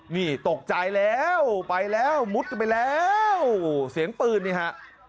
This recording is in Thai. นี่ตกใจแล้วไปแล้วมุดไปแล้วเสียงปืนนี่ฮะ